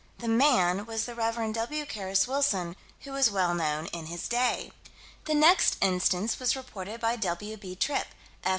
The "man" was the Rev. W. Carus Wilson, who was well known in his day. The next instance was reported by W.B. Tripp, F.